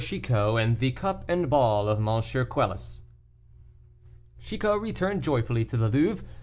CHICOT, AND THE CUP AND BALL OF M. QUELUS. Chicot returned joyfully to the Louvre.